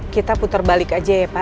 kita putar balik aja ya pak